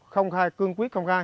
không khai cương quyết không khai